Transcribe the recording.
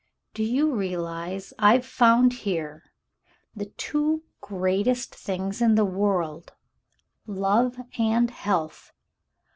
"Do you realize I've found here the two greatest things in the world, love and health